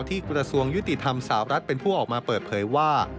กระทรวงยุติธรรมสาวรัฐเป็นผู้ออกมาเปิดเผยว่า